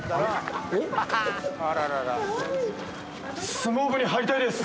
相撲部に入りたいです。